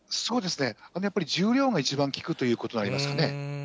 やっぱり重量が一番きくということになりますかね。